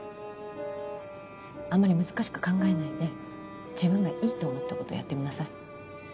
あんまり難しく考えないで自分がいいと思ったことをやってみなさい。